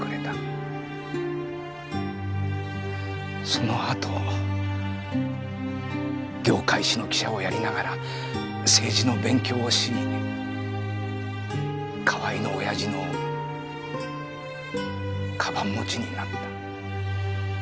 そのあと業界紙の記者をやりながら政治の勉強をし河合のオヤジの鞄持ちになった。